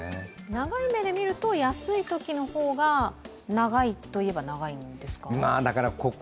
長い目で見ると安いときの方が長いといえば長いんですか？